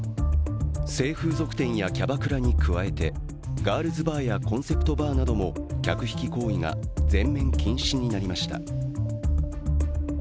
性風俗店やキャバクラに加えて、ガールズバーや、コンセプトバーなども客引き行為が全面禁止になりました。